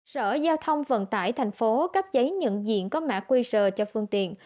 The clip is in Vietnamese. sở giao thông vận tải tp hcm cấp giấy nhận diện có mạng qr cho phương tiện